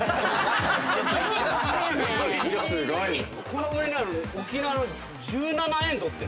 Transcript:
この上にある沖縄の１７ＥＮＤって。